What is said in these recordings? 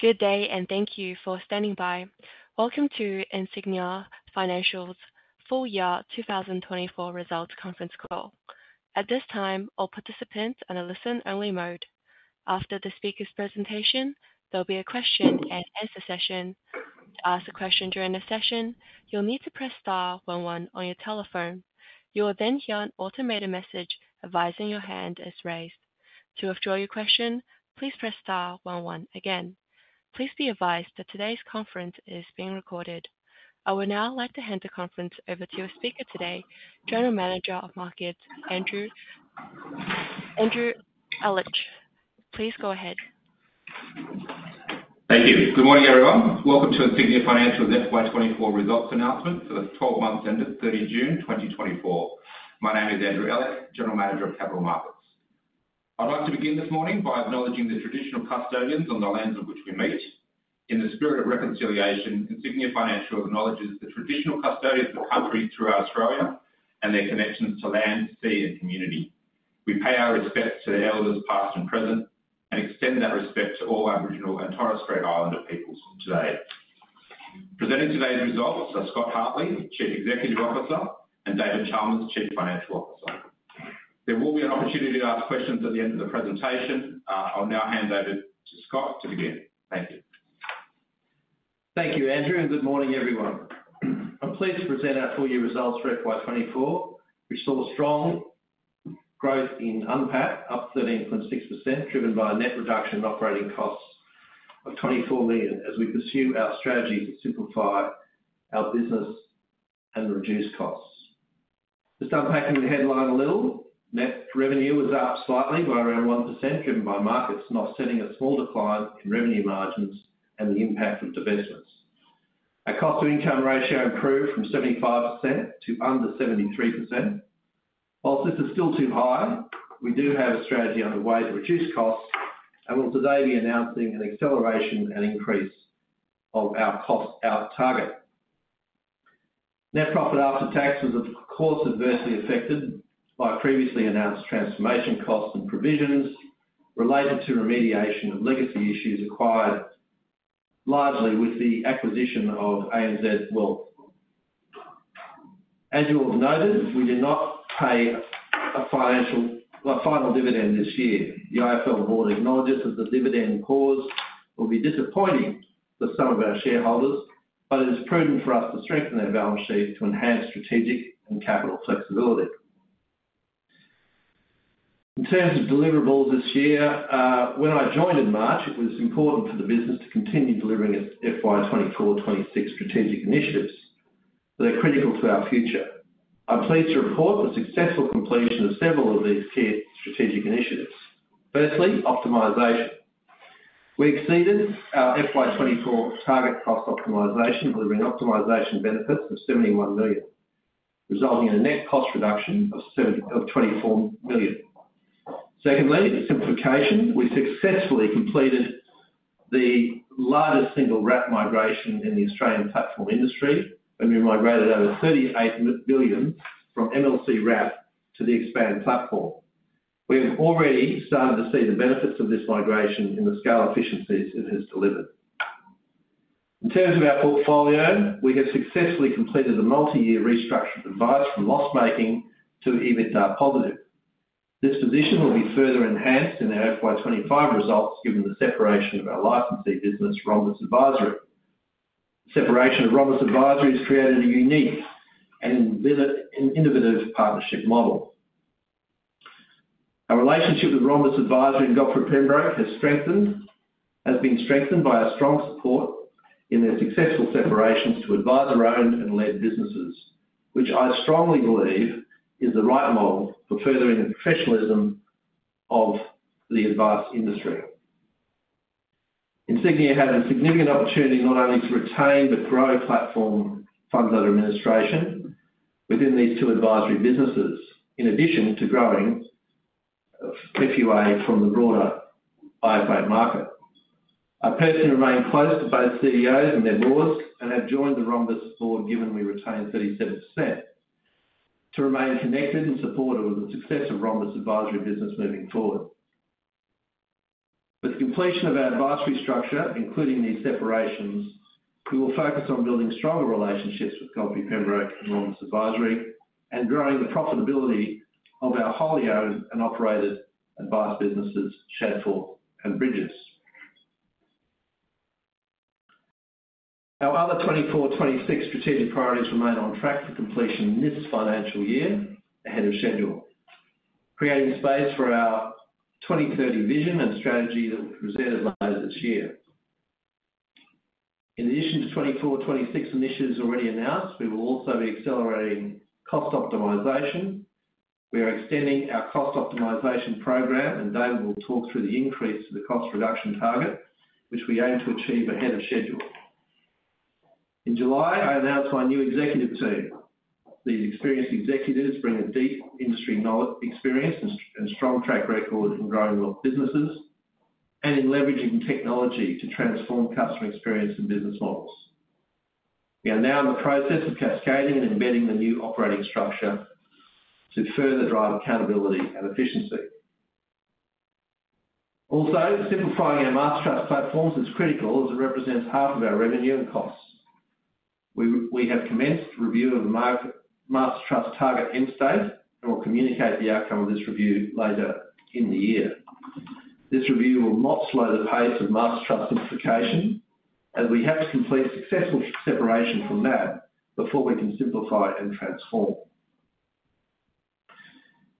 Good day, and thank you for standing by. Welcome to Insignia Financial's full year 2024 results conference call. At this time, all participants are in a listen-only mode. After the speaker's presentation, there'll be a question-and-answer session. To ask a question during the session, you'll need to press star one one on your telephone. You will then hear an automated message advising your hand is raised. To withdraw your question, please press star one one again. Please be advised that today's conference is being recorded. I would now like to hand the conference over to our speaker today, General Manager of Capital Markets, Andrew Ehlich. Please go ahead. Thank you. Good morning, everyone. Welcome to Insignia Financial's FY24 results announcement for the 12 months ended 30 June 2024. My name is Andrew Ehlich, General Manager of Capital Markets. I'd like to begin this morning by acknowledging the traditional custodians on the lands of which we meet. In the spirit of reconciliation, Insignia Financial acknowledges the traditional custodians of the country throughout Australia and their connections to land, sea, and community. We pay our respects to the elders, past and present, and extend that respect to all Aboriginal and Torres Strait Islander peoples today. Presenting today's results are Scott Hartley, Chief Executive Officer, and David Chalmers, Chief Financial Officer. There will be an opportunity to ask questions at the end of the presentation. I'll now hand over to Scott to begin. Thank you. Thank you, Andrew, and good morning, everyone. I'm pleased to present our full-year results for FY 2024, which saw strong growth in UNPAT, up 13.6%, driven by a net reduction in operating costs of 24 million as we pursue our strategy to simplify our business and reduce costs. Just unpacking the headline a little, net revenue was up slightly by around 1%, driven by markets, offsetting a small decline in revenue margins and the impact of divestments. Our cost-to-income ratio improved from 75% to under 73%. While this is still too high, we do have a strategy underway to reduce costs and will today be announcing an acceleration and increase of our cost out target. Net profit after tax was, of course, adversely affected by previously announced transformation costs and provisions related to remediation of legacy issues acquired largely with the acquisition of ANZ Wealth. As you all noted, we did not pay a final dividend this year. The IFL board acknowledges that the dividend pause will be disappointing for some of our shareholders, but it is prudent for us to strengthen our balance sheet to enhance strategic and capital flexibility. In terms of deliverables this year, when I joined in March, it was important for the business to continue delivering its FY 24-26 strategic initiatives that are critical to our future. I'm pleased to report the successful completion of several of these key strategic initiatives. Firstly, optimization. We exceeded our FY 2024 target cost optimization, delivering optimization benefits of 71 million, resulting in a net cost reduction of 74 million. Secondly, simplification. We successfully completed the largest single wrap migration in the Australian platform industry, and we migrated over 38 billion from MLC Wrap to the Expand platform. We have already started to see the benefits of this migration in the scale efficiencies it has delivered. In terms of our portfolio, we have successfully completed a multi-year restructure advice from loss-making to EBITDA positive. This position will be further enhanced in our FY 2025 results, given the separation of our licensee business, Rhombus Advisory. Separation of Rhombus Advisory has created a unique and liquid and innovative partnership model. Our relationship with Rhombus Advisory and Godfrey Pembroke has strengthened- has been strengthened by a strong support in their successful separations to advisor-owned and -led businesses, which I strongly believe is the right model for furthering the professionalism of the advice industry. Insignia has a significant opportunity not only to retain but grow platform fund under administration within these two advisory businesses, in addition to growing FUA from the broader high-growth market. I personally remain close to both CEOs and their boards and have joined the Rhombus board, given we retain 37%, to remain connected and supportive of the success of Rhombus Advisory business moving forward. With the completion of our advisory structure, including these separations, we will focus on building stronger relationships with Godfrey Pembroke and Rhombus Advisory, and growing the profitability of our wholly owned and operated advice businesses, Shadforth and Bridges. Our other 2024/2026 strategic priorities remain on track for completion in this financial year, ahead of schedule, creating space for our 2030 vision and strategy that we presented earlier this year. In addition to 2024/2026 initiatives already announced, we will also be accelerating cost optimization. We are extending our cost optimization program, and David will talk through the increase to the cost reduction target, which we aim to achieve ahead of schedule. In July, I announced my new executive team. These experienced executives bring a deep industry knowledge, experience, and strong track record in growing world businesses and in leveraging technology to transform customer experience and business models. We are now in the process of cascading and embedding the new operating structure to further drive accountability and efficiency. Also, simplifying our Master Trust platforms is critical, as it represents half of our revenue and costs. We have commenced review of the Master Trust target end state, and we'll communicate the outcome of this review later in the year. This review will not slow the pace of Master Trust simplification, as we have to complete successful separation from that before we can simplify and transform.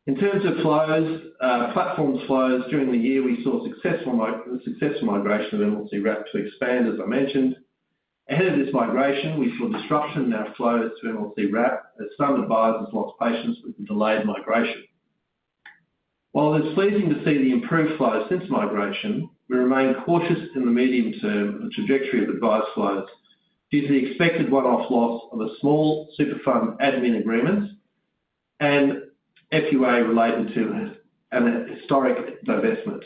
In terms of flows, platforms flows, during the year, we saw successful migration of MLC Wrap to Expand, as I mentioned. Ahead of this migration, we saw disruption in our flows to MLC Wrap, as some advisers lost patience with the delayed migration. While it's pleasing to see the improved flow since migration, we remain cautious in the medium term and trajectory of advice flows due to the expected one-off loss of a small super fund admin agreement and FUA related to an historic divestment.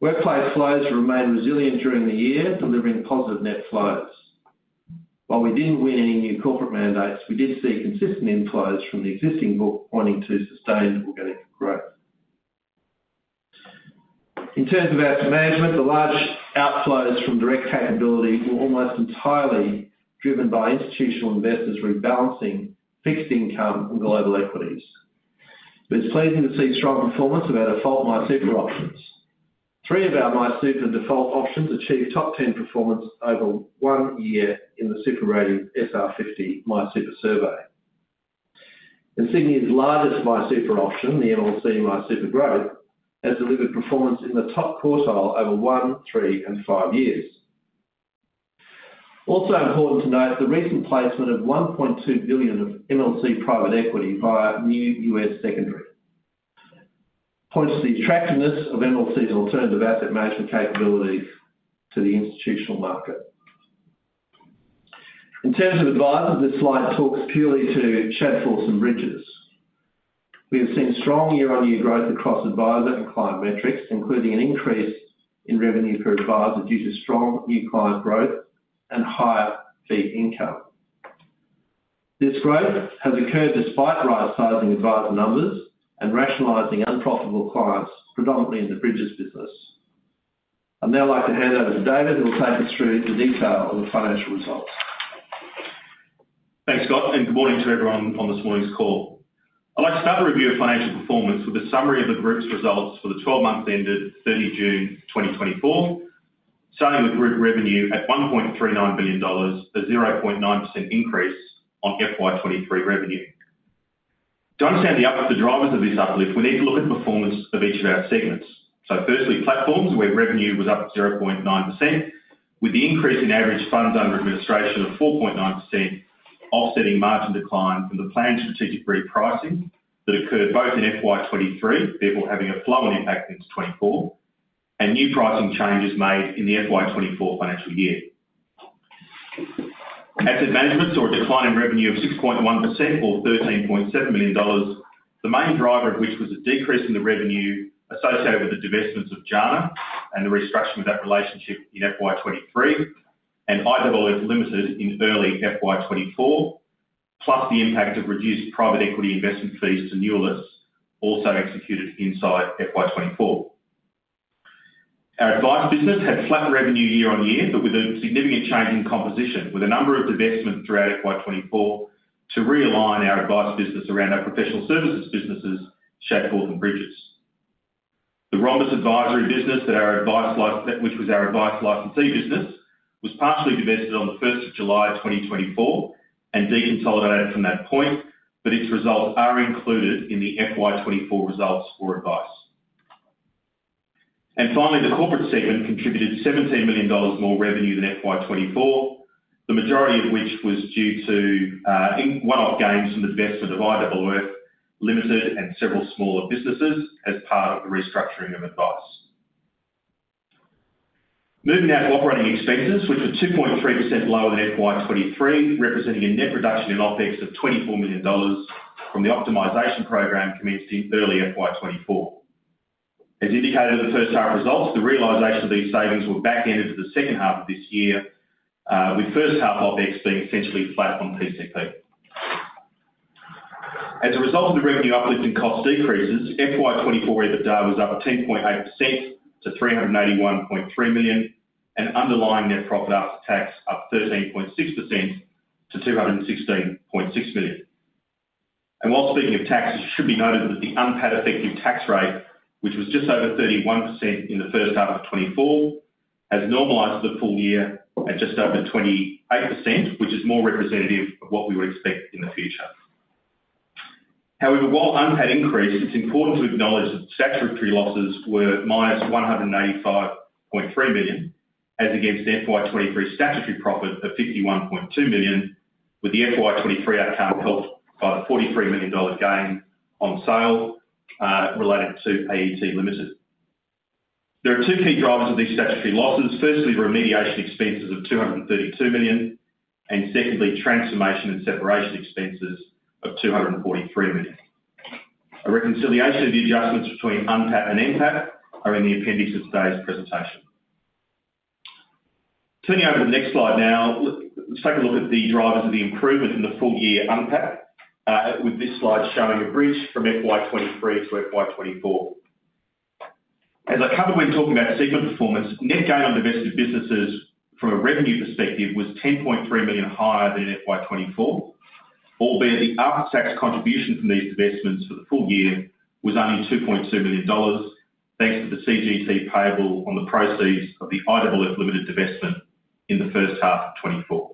Workplace flows remained resilient during the year, delivering positive net flows. While we didn't win any new corporate mandates, we did see consistent inflows from the existing book, pointing to sustainable organic growth. In terms of our management, the large outflows from direct capability were almost entirely driven by institutional investors rebalancing fixed income and global equities. But it's pleasing to see strong performance of our default MySuper options. Three of our MySuper default options achieved top ten performance over one year in the SuperRatings SR50 MySuper survey. Insignia's largest MySuper option, the MLC MySuper Growth, has delivered performance in the top quartile over one, three, and five years. Also important to note, the recent placement of 1.2 billion of MLC Private Equity via new U.S. secondary points to the attractiveness of MLC's alternative asset management capabilities to the institutional market. In terms of advisers, this slide talks purely to Shadforth and Bridges. We have seen strong year-on-year growth across advisor and client metrics, including an increase in revenue per advisor due to strong new client growth and higher fee income. This growth has occurred despite right-sizing advisor numbers and rationalizing unprofitable clients, predominantly in the Bridges business. I'd now like to hand over to David, who will take us through the detail of the financial results. Thanks, Scott, and good morning to everyone on this morning's call. I'd like to start the review of financial performance with a summary of the group's results for the twelve months ended 30 June 2024. Starting with group revenue at 1.39 billion dollars, a 0.9% increase on FY 2023 revenue. To understand the drivers of this uplift, we need to look at the performance of each of our segments. So firstly, platforms, where revenue was up 0.9%, with the increase in average funds under administration of 4.9%, offsetting margin decline from the planned strategic repricing that occurred both in FY 2023, therefore, having a flow-on impact into 2024, and new pricing changes made in the FY 2024 financial year. Asset Management saw a decline in revenue of 6.1% or 13.7 million dollars. The main driver of which was a decrease in the revenue associated with the divestments of JANA and the restructuring of that relationship in FY 2023, and IOOF Limited in early FY 2024, plus the impact of reduced private equity investment fees to new lists, also executed inside FY 2024. Our advice business had flat revenue year on year, but with a significant change in composition, with a number of divestments throughout FY 2024 to realign our advice business around our professional services businesses, Shadforth and Bridges. The Rhombus Advisory business, which was our advice licensee business, was partially divested on the first of July 2024, and deconsolidated from that point, but its results are included in the FY 2024 results for advice. Finally, the corporate segment contributed 17 million dollars more revenue than FY 2024, the majority of which was due to in one-off gains from the divestment of IOOF Ltd and several smaller businesses as part of the restructuring of advice. Moving now to operating expenses, which were 2.3% lower than FY 2023, representing a net reduction in OpEx of 24 million dollars from the optimization program commenced in early FY 2024. As indicated in the first half results, the realization of these savings were back-ended to the second half of this year, with first half OpEx being essentially flat on pcp. As a result of the revenue uplift and cost decreases, FY 2024 EBITDA was up 13.8% to 381.3 million, and underlying net profit after tax up 13.6% to 216.6 million. And while speaking of taxes, it should be noted that the underlying effective tax rate, which was just over 31% in the first half of 2024, has normalized for the full year at just over 28%, which is more representative of what we would expect in the future. However, while underlying increased, it's important to acknowledge that statutory losses were -185.3 million, as against the FY 2023 statutory profit of 51.2 million, with the FY 2023 outcome helped by a 43 million dollars gain on sale related to Australian Executor Trustees. There are two key drivers of these statutory losses. Firstly, remediation expenses of 232 million, and secondly, transformation and separation expenses of 243 million. A reconciliation of the adjustments between UNPAT and NPAT are in the appendix of today's presentation. Turning over to the next slide now, let's take a look at the drivers of the improvement in the full year UNPAT, with this slide showing a bridge from FY 2023 to FY 2024. As I covered when talking about segment performance, net gain on divested businesses from a revenue perspective was 10.3 million higher than FY 2024, albeit the after-tax contribution from these divestments for the full year was only 2.2 million dollars, thanks to the CGT payable on the proceeds of the IOOF Ltd divestment in the first half of 2024.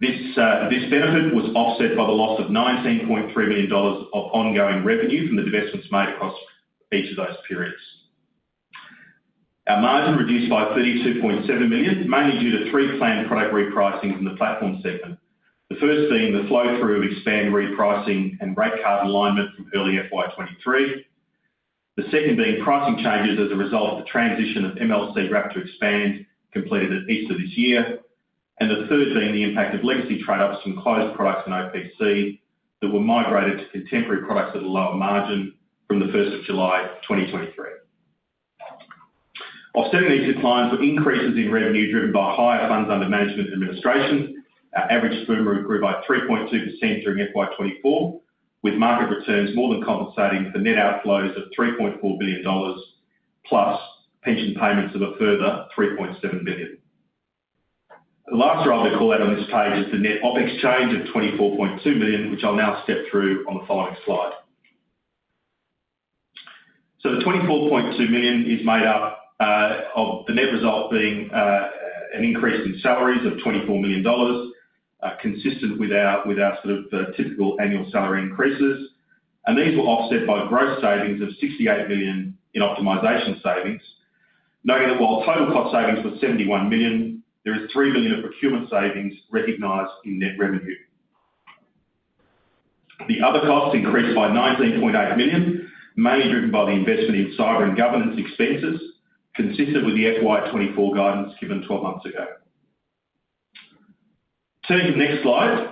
This benefit was offset by the loss of 19.3 million dollars of ongoing revenue from the divestments made across each of those periods. Our margin reduced by 32.7 million, mainly due to three planned product repricings in the platform segment. The first being the flow-through Expand repricing and rate card alignment from early FY 2023. The second being pricing changes as a result of the transition of MLC Wrap to Expand, completed at Easter this year. And the third being the impact of legacy trade ups from closed products in OPC, that were migrated to contemporary products at a lower margin from the first of July 2023. Offsetting these declines were increases in revenue, driven by higher funds under management administration. Our average FUM grew by 3.2% during FY 2024, with market returns more than compensating for net outflows of 3.4 billion dollars, plus pension payments of a further 3.7 billion. The last round I call out on this page is the net OpEx change of 24.2 million, which I'll now step through on the following slide. So the 24.2 million is made up of the net result being an increase in salaries of 24 million dollars, consistent with our sort of typical annual salary increases. And these were offset by gross savings of 68 million in optimization savings, knowing that while total cost savings were 71 million, there is 3 million of procurement savings recognized in net revenue. The other costs increased by 19.8 million, mainly driven by the investment in cyber and governance expenses, consistent with the FY 2024 guidance given twelve months ago. Turning to the next slide,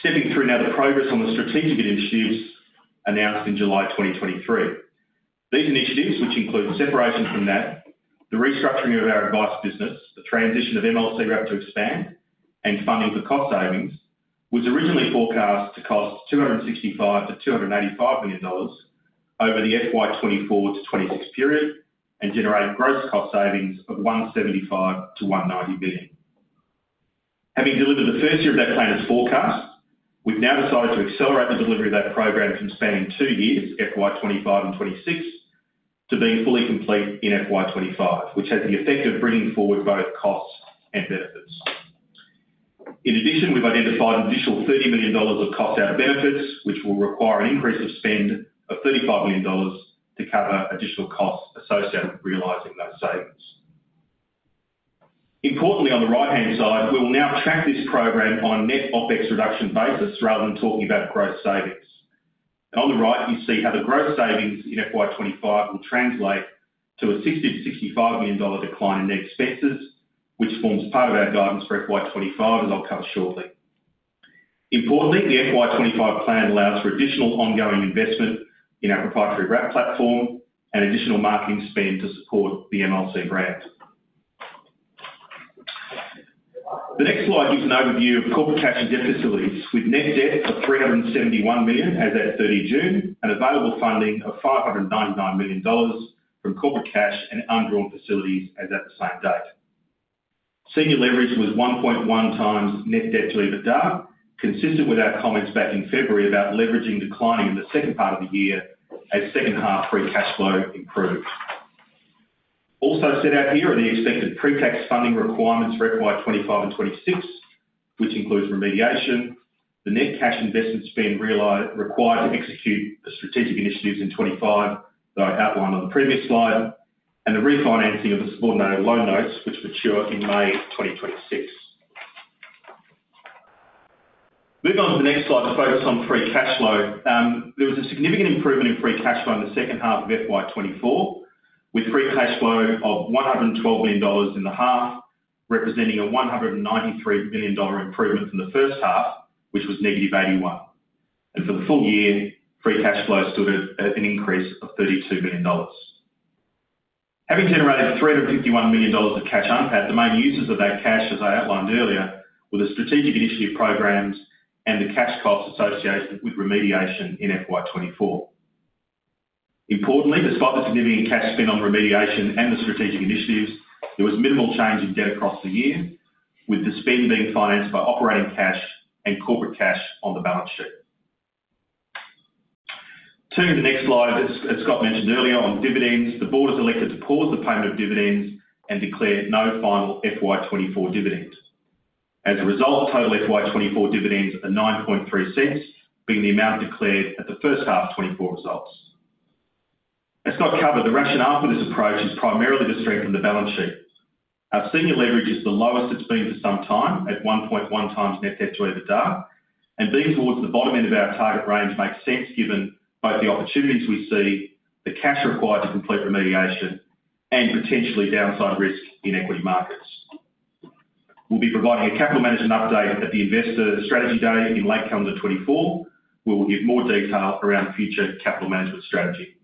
stepping through now the progress on the strategic initiatives announced in July 2023. These initiatives, which include separation from that, the restructuring of our advice business, the transition of MLC Wrap to Expand, and funding for cost savings, was originally forecast to cost 265-285 million dollars over the FY 2024 to 2026 period, and generate gross cost savings of 175-190 billion. Having delivered the first year of that plan as forecast, we've now decided to accelerate the delivery of that program from spanning two years, FY 2025 and 2026, to being fully complete in FY 2025, which has the effect of bringing forward both costs and benefits. In addition, we've identified an additional 30 million dollars of cost out benefits, which will require an increase of spend of 35 million dollars to cover additional costs associated with realizing those savings. Importantly, on the right-hand side, we will now track this program on net OpEx reduction basis, rather than talking about gross savings. On the right, you see how the gross savings in FY 2025 will translate to a 60 million-65 million dollar decline in net expenses, which forms part of our guidance for FY 2025, as I'll cover shortly. Importantly, the FY 2025 plan allows for additional ongoing investment in our proprietary Wrap platform and additional marketing spend to support the MLC brand. The next slide gives an overview of corporate cash and debt facilities, with net debt of 371 million as at 30 June, and available funding of 599 million dollars from corporate cash and undrawn facilities as at the same date. Senior leverage was 1.1 times net debt to EBITDA, consistent with our comments back in February about leveraging declining in the second part of the year, as second half free cash flow improved. Also set out here are the expected pre-tax funding requirements for FY 2025 and 2026, which includes remediation, the net cash investment spend required to execute the strategic initiatives in 2025, that I outlined on the previous slide, and the refinancing of the subordinated loan notes, which mature in May 2026. Moving on to the next slide to focus on free cash flow. There was a significant improvement in free cash flow in the second half of FY 2024, with free cash flow of 112 million dollars in the half, representing a 193 million dollar improvement from the first half, which was negative 81. For the full year, free cash flow stood at, at an increase of 32 billion dollars. Having generated 351 million dollars of cash inflow, the main users of that cash, as I outlined earlier, were the strategic initiative programs and the cash costs associated with remediation in FY 2024. Importantly, despite the significant cash spend on remediation and the strategic initiatives, there was minimal change in debt across the year, with the spend being financed by operating cash and corporate cash on the balance sheet. Turning to the next slide, as Scott mentioned earlier on dividends, the board has elected to pause the payment of dividends and declared no final FY 2024 dividends. As a result, total FY 2024 dividends are 0.093, being the amount declared at the first half of 2024 results. As Scott covered, the rationale for this approach is primarily to strengthen the balance sheet. Our senior leverage is the lowest it's been for some time, at one point one times net debt to EBITDA, and being towards the bottom end of our target range makes sense given both the opportunities we see, the cash required to complete remediation, and potentially downside risk in equity markets. We'll be providing a capital management update at the Investor Strategy Day in late calendar 2024, where we'll give more detail around future capital management strategy.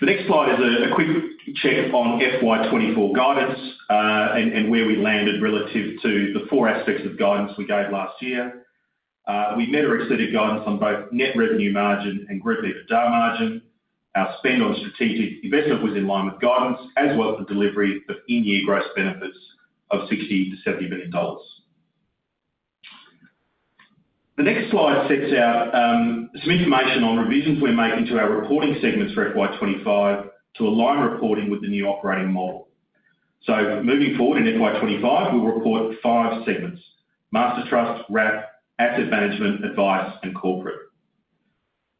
The next slide is a quick check on FY 2024 guidance, and where we landed relative to the four aspects of guidance we gave last year. We met or exceeded guidance on both net revenue margin and group EBITDA margin. Our spend on strategic investment was in line with guidance, as well as the delivery of in-year gross benefits of 60 billion-70 billion dollars. The next slide sets out some information on revisions we're making to our reporting segments for FY 2025 to align reporting with the new operating model. So moving forward, in FY 2025, we'll report five segments: Master Trust, Wrap, Asset Management, Advice, and Corporate.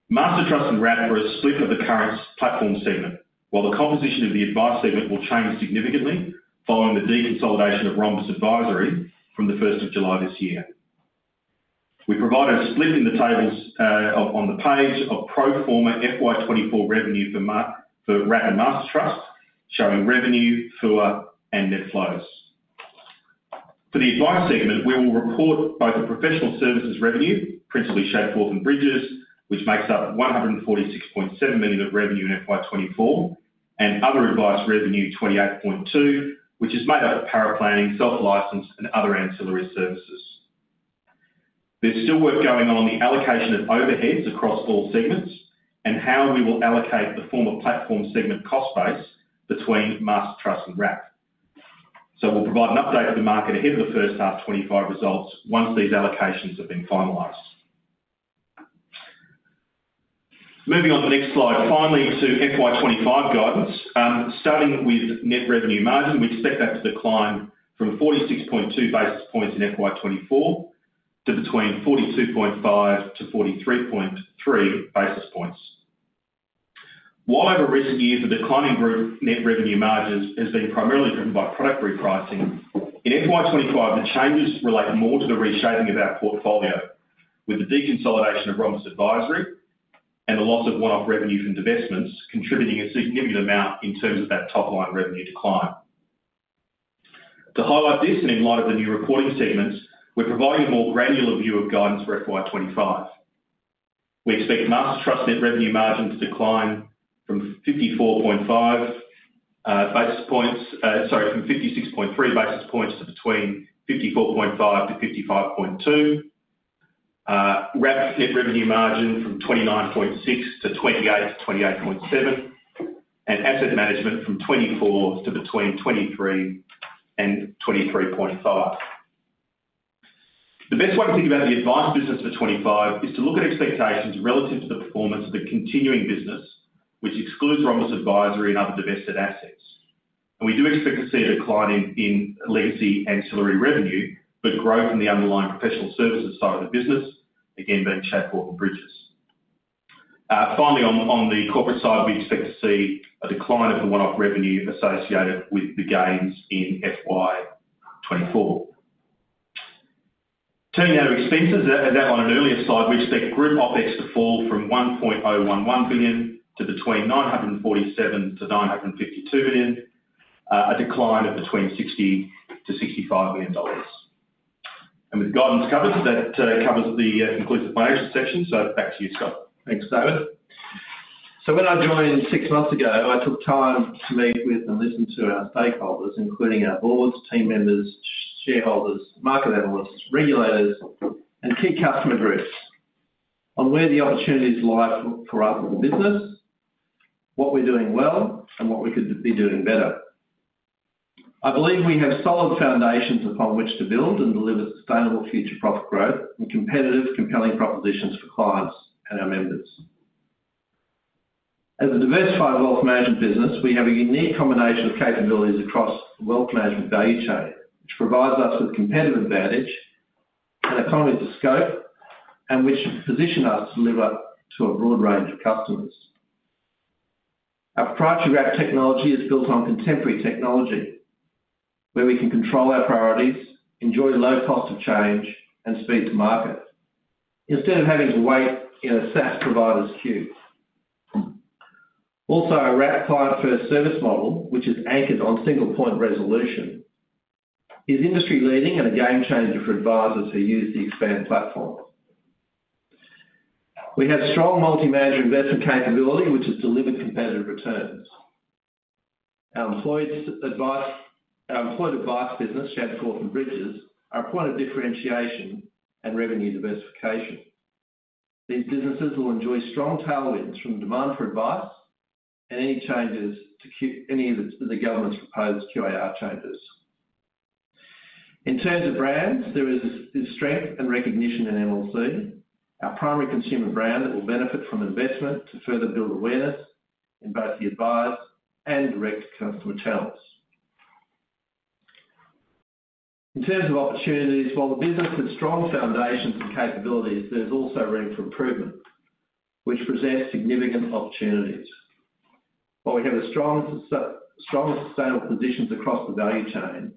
Master Trust and Wrap are a split of the current platform segment, while the composition of the Advice segment will change significantly following the deconsolidation of Rhombus Advisory from the first of July this year. We provide a split in the tables on the page of pro forma FY 2024 revenue for Wrap and Master Trust, showing revenue, FUA, and net flows. For the Advice segment, we will report both the professional services revenue, principally Shadforth and Bridges, which makes up 146.7 million of revenue in FY 2024, and other Advice revenue, 28.2 million, which is made up of paraplanning, self-license, and other ancillary services. There's still work going on the allocation of overheads across all segments, and how we will allocate the former platform segment cost base between Master Trust and Wrap. So we'll provide an update to the market ahead of the first half 2025 results once these allocations have been finalized. Moving on to the next slide. Finally, to FY 2025 guidance. Starting with net revenue margin, we expect that to decline from 46.2 basis points in FY 2024 to between 42.5 to 43.3 basis points. While over recent years, the declining group net revenue margins has been primarily driven by product repricing, in FY twenty-five, the changes relate more to the reshaping of our portfolio, with the deconsolidation of Rhombus Advisory and the loss of one-off revenue from divestments, contributing a significant amount in terms of that top-line revenue decline. To highlight this, and in light of the new reporting segments, we're providing a more granular view of guidance for FY twenty-five. We expect Master Trust net revenue margin to decline from 54.5 basis points from 56.3 basis points to between 54.5 to 55.2. Wrap net revenue margin from 29.6 to 28 to 28.7, and Asset Management from 24 to between 23 and 23.5. The best way to think about the Advice business for 2025 is to look at expectations relative to the performance of the continuing business, which excludes Rhombus Advisory and other divested assets. We do expect to see a decline in legacy ancillary revenue, but growth in the underlying professional services side of the business, again, being Shadforth and Bridges. Finally, on the corporate side, we expect to see a decline of the one-off revenue associated with the gains in FY 2024. Turning now to expenses, as on an earlier slide, we expect group OpEx to fall from 1.11 billion to between 947 million-952 million, a decline of between 60 million-65 million dollars. With guidance covered, that covers the inclusive financial section, so back to you, Scott. Thanks, David. So when I joined six months ago, I took time to meet with and listen to our stakeholders, including our boards, team members, shareholders, market analysts, regulators, and key customer groups on where the opportunities lie for our business, what we're doing well, and what we could be doing better. I believe we have solid foundations upon which to build and deliver sustainable future profit growth and competitive, compelling propositions for clients and our members. As a diversified wealth management business, we have a unique combination of capabilities across the wealth management value chain, which provides us with competitive advantage and economies of scope, and which position us to deliver to a broad range of customers. Our proprietary Wrap technology is built on contemporary technology, where we can control our priorities, enjoy low cost of change, and speed to market, instead of having to wait in a SaaS provider's queue. Also, our Wrap client first service model, which is anchored on single-point resolution, is industry-leading and a game changer for advisors who use the Expand platform. We have strong multi-manager investment capability, which has delivered competitive returns. Our employed advice business, Shadforth and Bridges, are a point of differentiation and revenue diversification. These businesses will enjoy strong tailwinds from demand for advice and any changes to any of the government's proposed QAR changes. In terms of brands, there is strength and recognition in MLC, our primary consumer brand that will benefit from investment to further build awareness in both the advice and direct customer channels. In terms of opportunities, while the business has strong foundations and capabilities, there's also room for improvement, which presents significant opportunities. While we have a strong, sustainable positions across the value chain,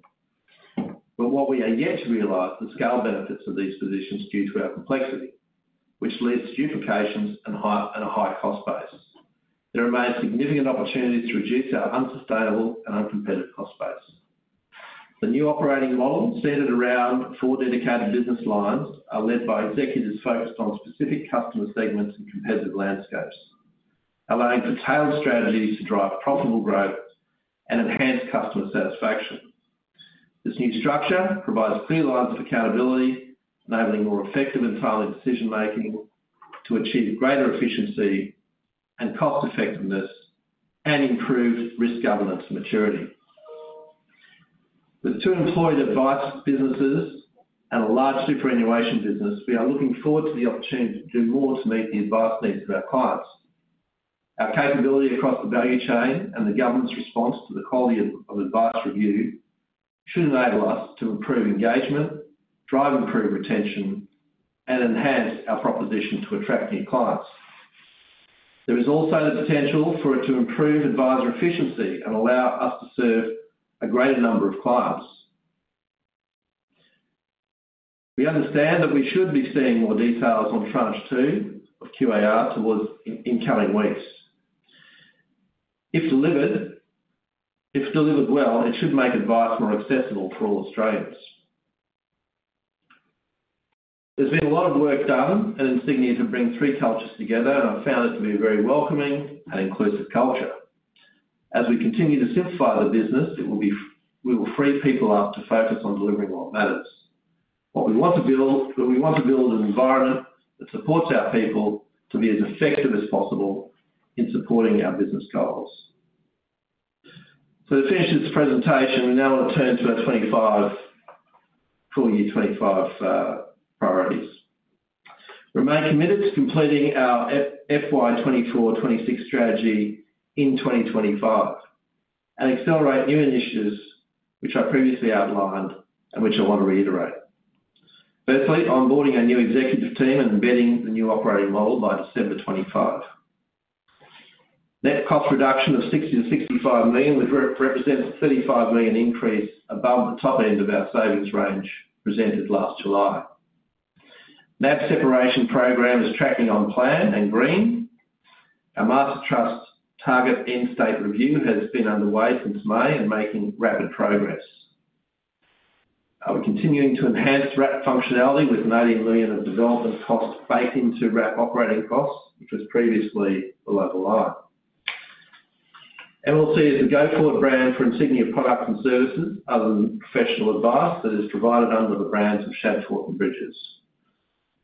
but what we are yet to realize, the scale benefits of these positions due to our complexity, which leads to duplications and a high cost base. There remains significant opportunities to reduce our unsustainable and uncompetitive cost base. The new operating model, centered around four dedicated business lines, are led by executives focused on specific customer segments and competitive landscapes, allowing for tailored strategies to drive profitable growth and enhance customer satisfaction. This new structure provides clear lines of accountability, enabling more effective and timely decision-making to achieve greater efficiency and cost effectiveness, and improved risk governance maturity. With two employed advice businesses and a large superannuation business, we are looking forward to the opportunity to do more to meet the advice needs of our clients. Our capability across the value chain and the government's response to the Quality of Advice Review should enable us to improve engagement, drive improved retention, and enhance our proposition to attract new clients. There is also the potential for it to improve advisor efficiency and allow us to serve a greater number of clients. We understand that we should be seeing more details on tranche two of QAR towards in coming weeks. If delivered, if delivered well, it should make advice more accessible for all Australians. There's been a lot of work done at Insignia to bring three cultures together, and I've found it to be a very welcoming and inclusive culture. As we continue to simplify the business, we will free people up to focus on delivering what matters. What we want to build, we want to build an environment that supports our people to be as effective as possible in supporting our business goals. So to finish this presentation, we now want to turn to our 25, full year 25 priorities. Remain committed to completing our FY24/26 strategy in 2025, and accelerate new initiatives, which I previously outlined and which I want to reiterate. Firstly, onboarding our new executive team and embedding the new operating model by December 2025. Net cost reduction of 60-65 million, which represents a 35 million increase above the top end of our savings range presented last July. NAB separation program is tracking on plan and green. Our Master Trust target end state review has been underway since May and making rapid progress. We're continuing to enhance Wrap functionality with 90 million of development costs baked into Wrap operating costs, which was previously below the line. MLC is the go-forward brand for Insignia products and services, other than professional advice, that is provided under the brands of Shadforth and Bridges.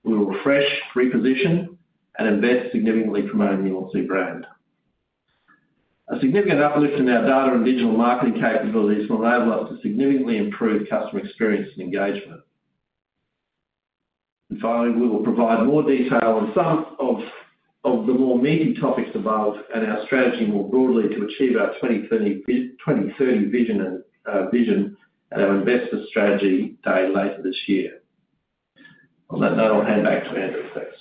We will refresh, reposition, and invest significantly to promote the MLC brand. A significant uplift in our data and digital marketing capabilities will enable us to significantly improve customer experience and engagement. And finally, we will provide more detail on some of the more meaty topics above and our strategy more broadly to achieve our 2030 vision at our Investor Strategy Day later this year. On that note, I'll hand back to Andrew. Thanks.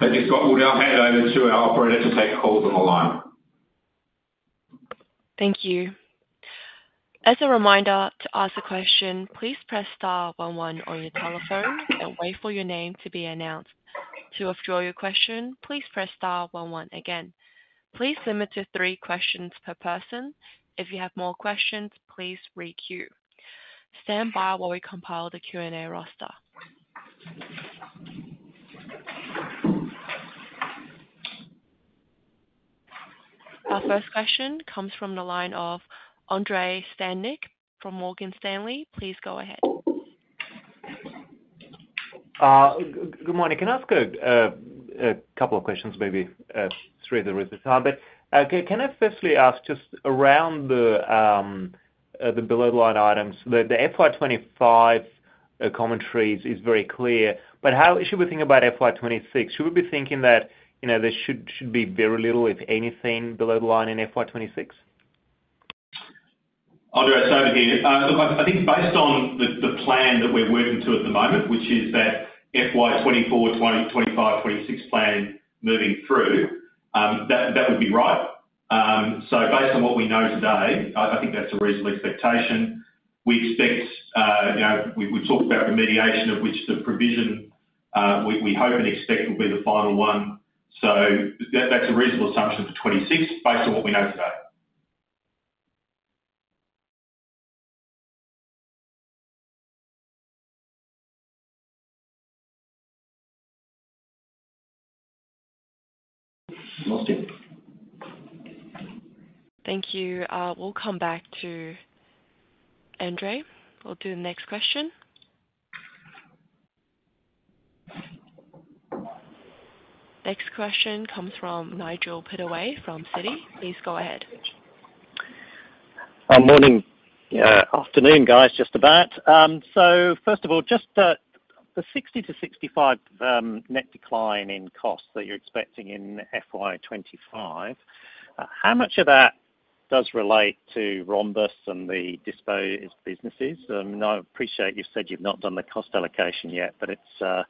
Thank you, Scott. We'll now hand over to our operator to take calls on the line. Thank you. As a reminder, to ask a question, please press star one one on your telephone and wait for your name to be announced. To withdraw your question, please press star one one again. Please limit to three questions per person. If you have more questions, please re-queue. Stand by while we compile the Q&A roster. Our first question comes from the line of Andrei Stadnik from Morgan Stanley. Please go ahead. Good morning. Can I ask a couple of questions, maybe three if there is the time? But, okay, can I firstly ask just around the below-the-line items, the FY 2025 commentaries is very clear, but how should we think about FY 2026? Should we be thinking that, you know, there should be very little, if anything, below the line in FY 2026? Andrei, it's Andrew here. Look, I think based on the plan that we're working to at the moment, which is that FY 2024, 2025, 2026 plan moving through, that would be right. So based on what we know today, I think that's a reasonable expectation. We expect, you know, we've talked about remediation, of which the provision we hope and expect will be the final one. So that's a reasonable assumption for 2026, based on what we know today. Thanks, team. Thank you. We'll come back to Andrei. We'll do the next question. Next question comes from Nigel Pittaway from Citi. Please go ahead. Morning. Afternoon, guys, just about, so first of all, just the 60-65 net decline in costs that you're expecting in FY 2025, how much of that does relate to Rhombus and the disposed businesses? And I appreciate you've said you've not done the cost allocation yet, but it's a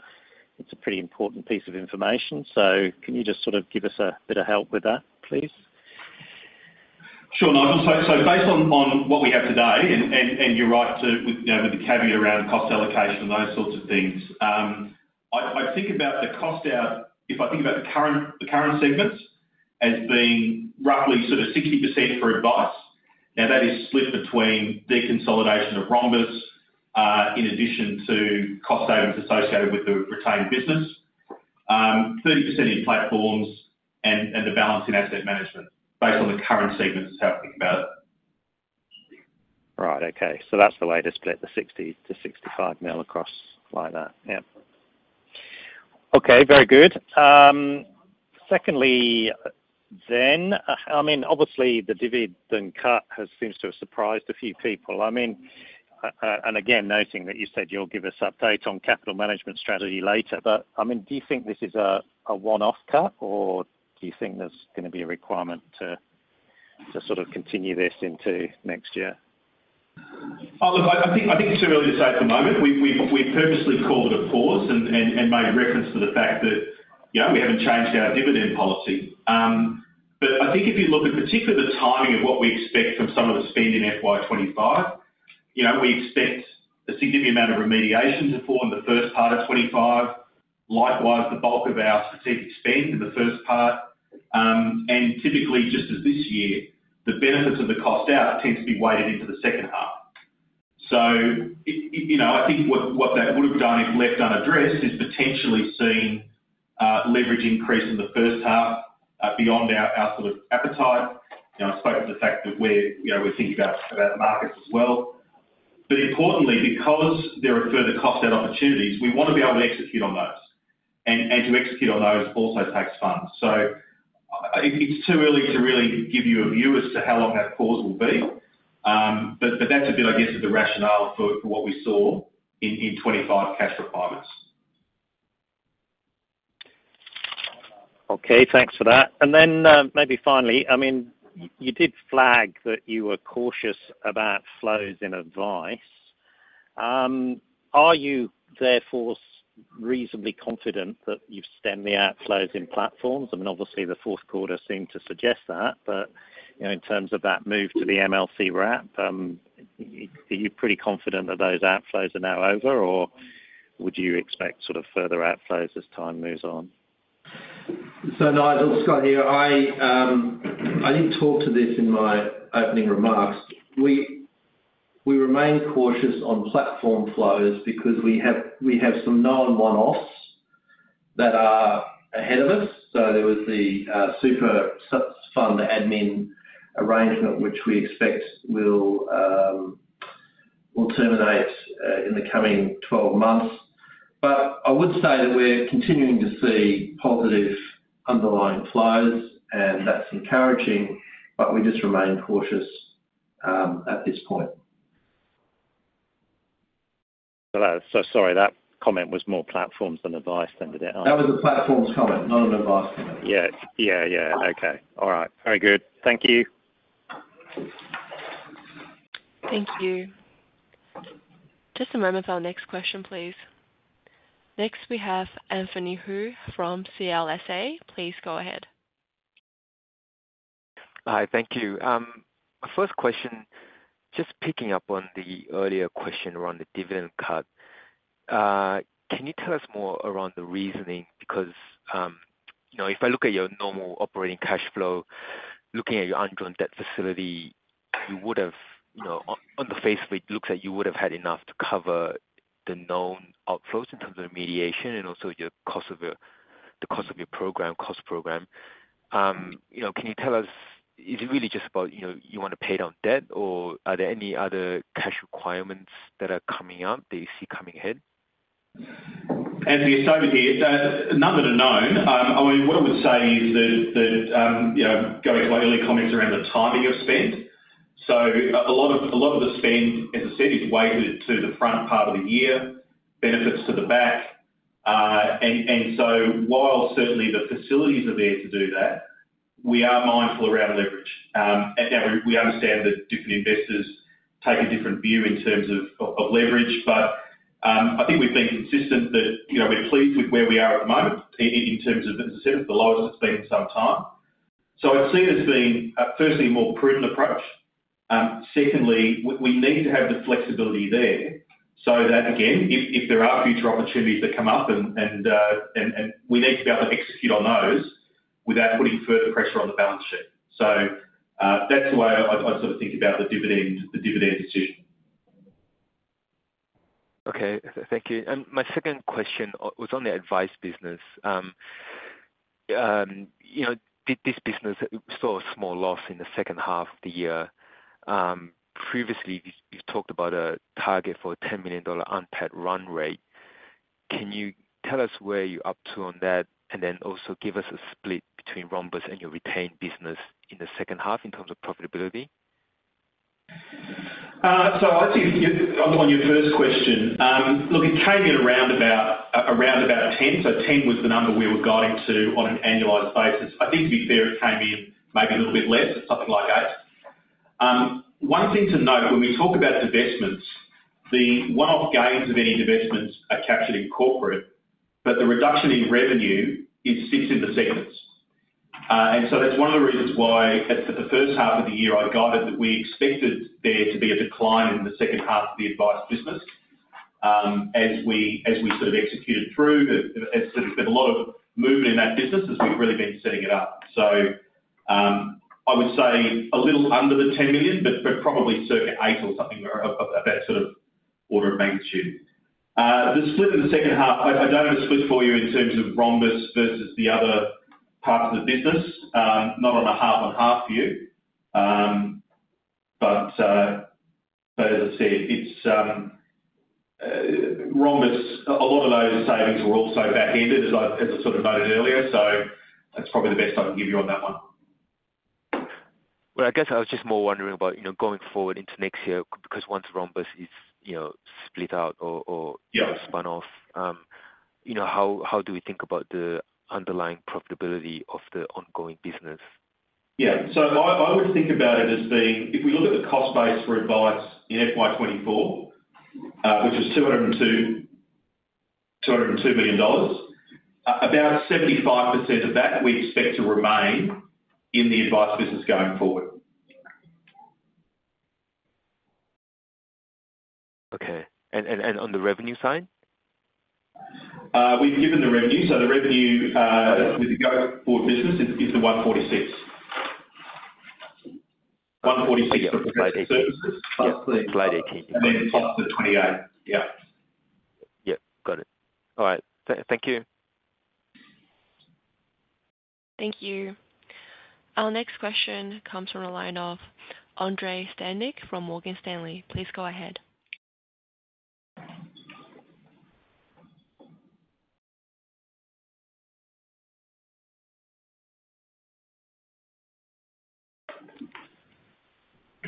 pretty important piece of information, so can you just sort of give us a bit of help with that, please? ... Sure, Nigel. So based on what we have today, and you're right to, with you know, with the caveat around cost allocation and those sorts of things. I think about the cost out, if I think about the current segments as being roughly sort of 60% for advice, now that is split between the consolidation of Rhombus, in addition to cost savings associated with the retained business. 30% in platforms and the balance in asset management, based on the current segments, is how I think about it. Right. Okay. So that's the way to split the 60-65 mil across, like that? Yeah. Okay, very good. Secondly, then, I mean, obviously the dividend cut has, seems to have surprised a few people. I mean, and again, noting that you said you'll give us updates on capital management strategy later, but, I mean, do you think this is a one-off cut, or do you think there's gonna be a requirement to sort of continue this into next year? Oh, look, I think it's too early to say at the moment. We've purposely called it a pause and made reference to the fact that, you know, we haven't changed our dividend policy. But I think if you look at particularly the timing of what we expect from some of the spend in FY 2025, you know, we expect a significant amount of remediation to fall in the first part of 2025. Likewise, the bulk of our strategic spend in the first part, and typically, just as this year, the benefits of the cost out tend to be weighted into the second half. So you know, I think what that would have done, if left unaddressed, is potentially seen leverage increase in the first half beyond our sort of appetite. You know, I spoke to the fact that we're, you know, we're thinking about the markets as well. But importantly, because there are further cost out opportunities, we wanna be able to execute on those. And to execute on those also takes funds. So, it's too early to really give you a view as to how long our pause will be. But that's a bit, I guess, of the rationale for what we saw in twenty-five cash requirements. Okay, thanks for that. And then, maybe finally, I mean, you did flag that you were cautious about flows and advice. Are you therefore reasonably confident that you've stemmed the outflows in platforms? I mean, obviously, the fourth quarter seemed to suggest that, but, you know, in terms of that move to the MLC wrap, are you pretty confident that those outflows are now over, or would you expect sort of further outflows as time moves on? So Nigel, Scott here. I did talk to this in my opening remarks. We remain cautious on platform flows because we have some known one-offs that are ahead of us. So there was the super fund admin arrangement, which we expect will terminate in the coming twelve months. But I would say that we're continuing to see positive underlying flows, and that's encouraging, but we just remain cautious at this point. So, sorry, that comment was more platforms than advice then, did it? That was a platforms comment, not an advice comment. Yeah. Yeah, yeah. Okay. All right. Very good. Thank you. Thank you. Just a moment for our next question, please. Next, we have Anthony Yoo from CLSA. Please go ahead. Hi, thank you. My first question, just picking up on the earlier question around the dividend cut. Can you tell us more around the reasoning? Because, you know, if I look at your normal operating cash flow, looking at your undrawn debt facility, you would have, you know, on the face of it, looks like you would have had enough to cover the known outflows in terms of remediation and also the cost of your program. You know, can you tell us, is it really just about, you know, you want to pay down debt, or are there any other cash requirements that are coming up, that you see coming ahead? Anthony, it's Toby here. I mean, what I would say is that, you know, going to my early comments around the timing of spend, so a lot of the spend, as I said, is weighted to the front part of the year, benefits to the back. And so while certainly the facilities are there to do that, we are mindful around leverage. And now we understand that different investors take a different view in terms of leverage. But I think we've been consistent that, you know, we're pleased with where we are at the moment in terms of, as I said, it's the lowest it's been in some time. So I'd seen it as being firstly, a more prudent approach. Secondly, we need to have the flexibility there, so that, again, if there are future opportunities that come up and we need to be able to execute on those without putting further pressure on the balance sheet. So, that's the way I sort of think about the dividend decision. Okay, thank you. And my second question was on the advice business. You know, did this business saw a small loss in the second half of the year? Previously, you talked about a target for a 10 million dollar unmet run rate. Can you tell us where you're up to on that, and then also give us a split between Rhombus and your retained business in the second half in terms of profitability? So I think to get onto your first question, look, it came in around about ten. So 10 was the number we were guiding to on an annualized basis. I think to be fair, it came in maybe a little bit less, at something like eight. One thing to note when we talk about divestments, the one-off gains of any divestments are captured in corporate, but the reduction in revenue, it sits in the segments. And so that's one of the reasons why at the first half of the year, I guided that we expected there to be a decline in the second half of the advice business. As we sort of executed through, there, there's been a lot of movement in that business as we've really been setting it up. So, I would say a little under the ten million, but probably circa eight or something, or about sort of order of magnitude. The split in the second half, I don't have a split for you in terms of Rhombus versus the other parts of the business, not on a half and half view. But as I said, it's Rhombus, a lot of those savings were also back-ended, as I sort of noted earlier, so that's probably the best I can give you on that one. I guess I was just more wondering about, you know, going forward into next year, because once Rhombus is, you know, split out or, or- Yeah. -spun off, you know, how do we think about the underlying profitability of the ongoing business? Yeah, so I would think about it as being, if we look at the cost base for advice in FY24, which is 202 million dollars, about 75% of that we expect to remain in the advice business going forward. Okay. And on the revenue side? We've given the revenue. So the revenue with the go forward business is 146. Okay, slide 18. Services. Yeah, slide 18. And then plus the 28. Yeah. Yeah, got it. All right. Thank you. Thank you. Our next question comes from the line of Andrei Stadnik from Morgan Stanley. Please go ahead.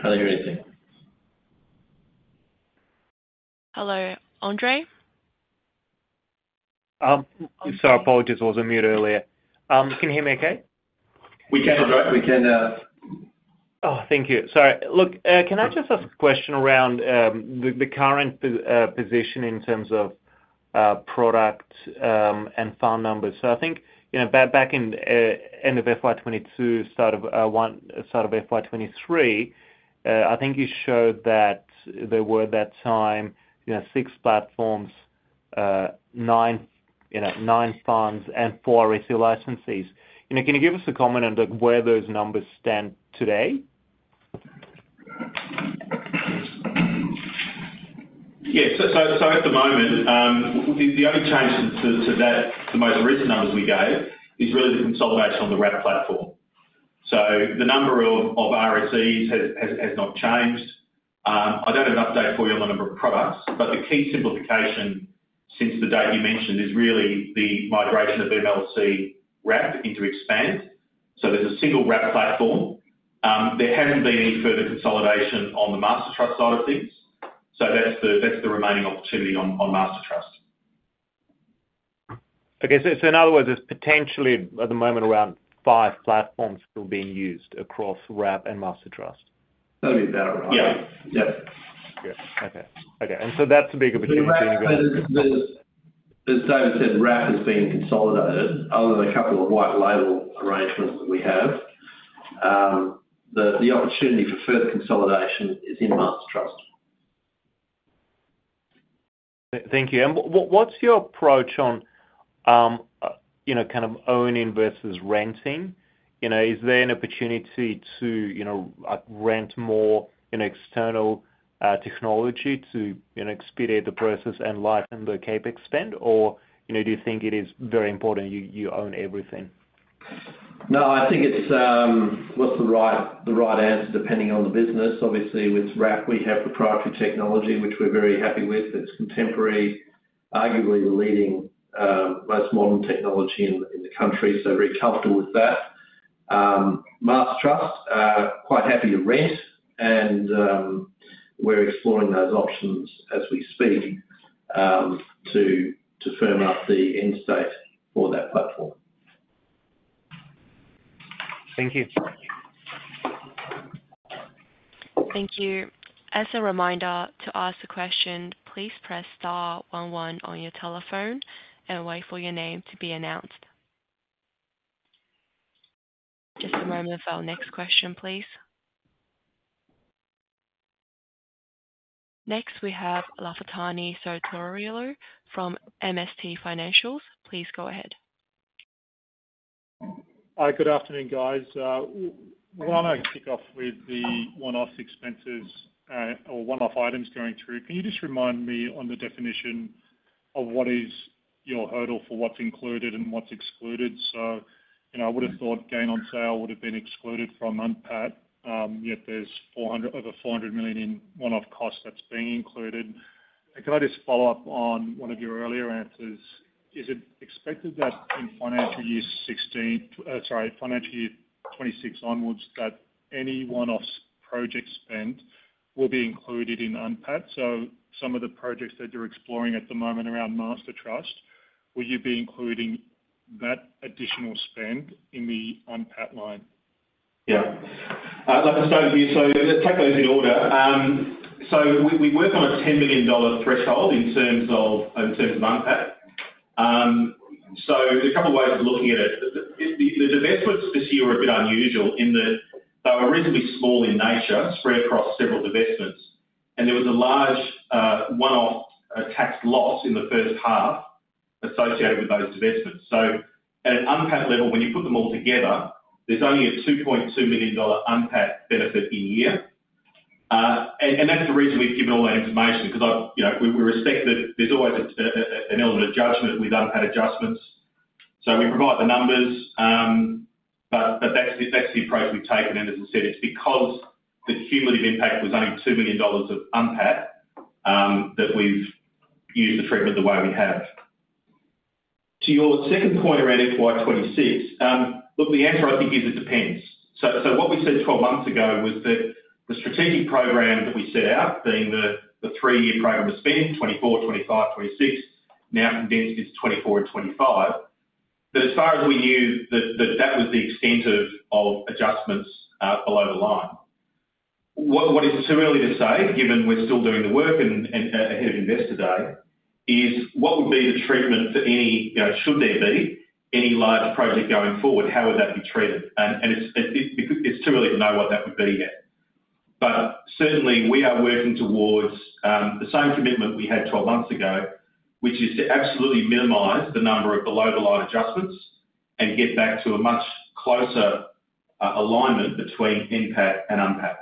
Can't hear anything. Hello, Andrei? Apologies, I was on mute earlier. Can you hear me okay? We can... Oh, thank you. Sorry. Look, can I just ask a question around the current position in terms of product and fund numbers? So I think, you know, back in end of FY 2022, start of FY 2023, I think you showed that there were at that time, you know, six platforms, nine funds and four RSE licensees. You know, can you give us a comment on where those numbers stand today? Yeah. So at the moment, the only change to that, the most recent numbers we gave, is really the consolidation on the Wrap platform. So the number of RSEs has not changed. I don't have an update for you on the number of products, but the key simplification since the date you mentioned is really the migration of MLC Wrap into Expand. So there's a single Wrap platform. There hasn't been any further consolidation on the Master Trust side of things, so that's the remaining opportunity on Master Trust. Okay, so in other words, there's potentially, at the moment, around five platforms still being used across Wrap and Mastertrust? That'd be about right. Yeah. Yeah. Good. Okay, okay. And so that's a big opportunity- As David said, Wrap is being consolidated, other than a couple of white label arrangements that we have. The opportunity for further consolidation is in Master Trust. Thank you. And what's your approach on, you know, kind of owning versus renting? You know, is there an opportunity to, you know, rent more in external technology to, you know, expedite the process and lighten the CapEx spend? Or, you know, do you think it is very important you own everything? No, I think it's what's the right answer, depending on the business. Obviously, with Wrap, we have proprietary technology, which we're very happy with. It's contemporary, arguably the leading most modern technology in the country, so very comfortable with that. Master Trust, quite happy to rent and we're exploring those options as we speak, to firm up the end state for that platform. Thank you. Thank you. As a reminder, to ask a question, please press star one one on your telephone and wait for your name to be announced. Just a moment for our next question, please. Next, we have Lafitani Sotiriou from MST Financial. Please go ahead. Good afternoon, guys. Why don't I kick off with the one-off expenses, or one-off items going through? Can you just remind me on the definition of what is your hurdle for what's included and what's excluded? So, you know, I would have thought gain on sale would have been excluded from UNPAT, yet there's over 400 million in one-off costs that's being included. And could I just follow up on one of your earlier answers? Is it expected that in financial year sixteen, financial year twenty-six onwards, that any one-off project spend will be included in UNPAT? So some of the projects that you're exploring at the moment around Mastertrust, will you be including that additional spend in the UNPAT line?... Yeah. Like I started here, so let's take those in order. So we work on a 10 million dollar threshold in terms of UNPAT. So there's a couple of ways of looking at it. The divestments this year were a bit unusual in that they were reasonably small in nature, spread across several divestments, and there was a large one-off tax loss in the first half associated with those divestments. So at an UNPAT level, when you put them all together, there's only a 2.2 million dollar UNPAT benefit in year. And that's the reason we've given all that information, because you know, we respect that there's always an element of judgment with UNPAT adjustments. So we provide the numbers, but that's the approach we've taken. As I said, it's because the cumulative impact was only 2 million dollars of UNPAT that we've used the treatment the way we have. To your second point around FY 2026, look, the answer, I think, is it depends. So what we said twelve months ago was that the strategic program that we set out, being the three-year program of spend, 2024, 2025, 2026, now condensed is 2024 and 2025. But as far as we knew, that was the extent of adjustments below the line. What is too early to say, given we're still doing the work and ahead of Investor Day, is what would be the treatment for any, you know, should there be any larger project going forward? How would that be treated? It's too early to know what that would be yet. Certainly, we are working towards the same commitment we had twelve months ago, which is to absolutely minimize the number of below-the-line adjustments and get back to a much closer alignment between NPAT and UNPAT.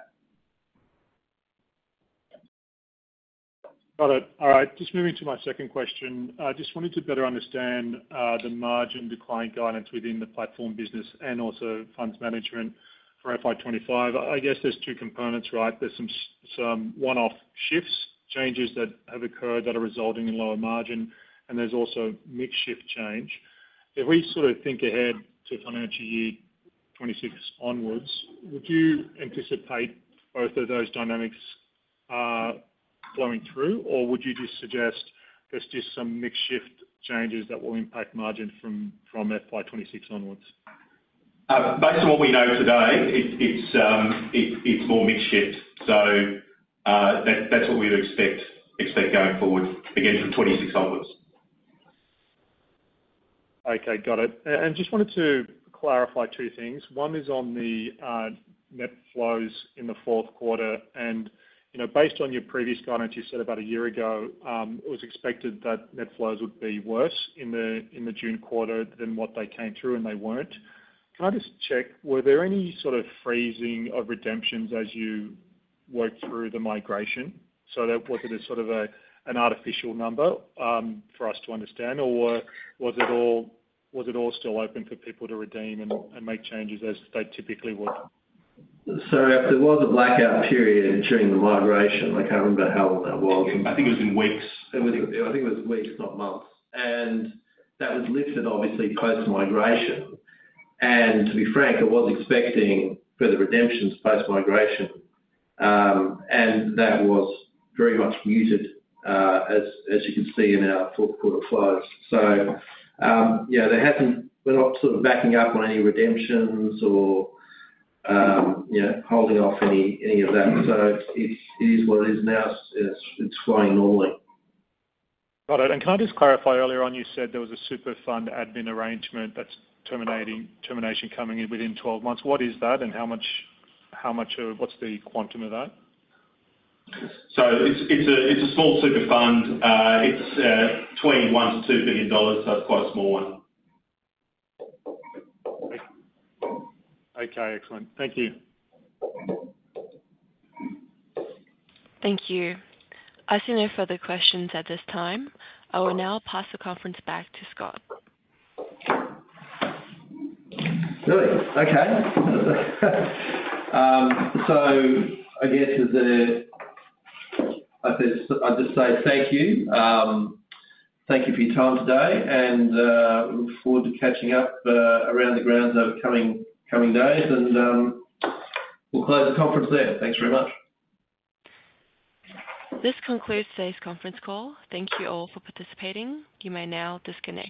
Got it. All right, just moving to my second question. I just wanted to better understand, the margin decline guidance within the platform business and also funds management for FY twenty-five. I guess there's two components, right? There's some one-off shifts, changes that have occurred that are resulting in lower margin, and there's also mix shift change. If we sort of think ahead to financial year twenty-six onwards, would you anticipate both of those dynamics, flowing through? Or would you just suggest there's just some mix shift changes that will impact margin from FY twenty-six onwards? Based on what we know today, it's more mix shift. So, that's what we would expect going forward, again, from twenty-six onwards. Okay, got it, and just wanted to clarify two things. One is on the net flows in the fourth quarter. And, you know, based on your previous guidance, you said about a year ago, it was expected that net flows would be worse in the June quarter than what they came through, and they weren't. Can I just check, were there any sort of phasing of redemptions as you worked through the migration, so, was that a sort of an artificial number for us to understand? Or was it all still open for people to redeem and make changes as they typically would? So there was a blackout period during the migration. I can't remember how long that was. I think it was in weeks. It was, I think it was weeks, not months. That was lifted, obviously, post-migration. To be frank, I was expecting further redemptions post-migration, and that was very much muted, as you can see in our fourth quarter flows. Yeah, there hasn't. We're not sort of backing up on any redemptions or, you know, holding off any of that. It is what it is now. It's flowing normally. Got it. And can I just clarify, earlier on, you said there was a super fund admin arrangement that's terminating, termination coming in within twelve months. What is that, and how much, how much of—what's the quantum of that? So it's a small super fund. It's between 1 billion-2 billion dollars, so it's quite a small one. Okay, excellent. Thank you. Thank you. I see no further questions at this time. I will now pass the conference back to Scott. Really? Okay. So I guess I'd just say thank you. Thank you for your time today, and we look forward to catching up around the grounds over coming days. We'll close the conference there. Thanks very much. This concludes today's conference call. Thank you all for participating. You may now disconnect.